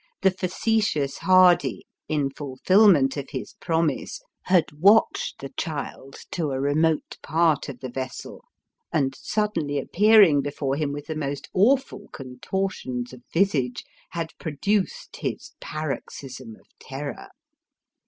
The facetious Hardy, in fulfilment of his promise, had watched the child to a remote part of the vessel, and, suddenly appearing before him with the most awful contortions of visage, had produced his paroxysm of terror.